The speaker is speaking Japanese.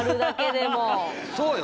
そうよ。